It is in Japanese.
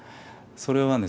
それはね